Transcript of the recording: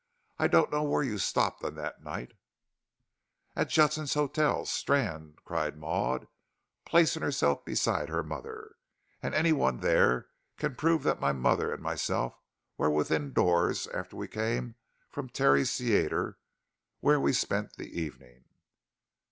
I don't know where you stopped on that night " "At Judson's Hotel, Strand," cried Maud, placing herself beside her mother, "and anyone there can prove that my mother and myself were within doors after we came from Terry's Theatre, where we spent the evening.